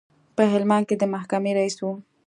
په هلمند کې د محکمې رئیس و.